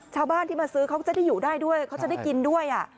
ชาวบ้านที่มาซื้อเขาจะได้อยู่ได้ด้วยเขาจะได้กินด้วย